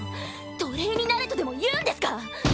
奴隷になれとでも言うんですか？